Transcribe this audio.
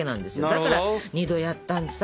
だから２度やったのさ。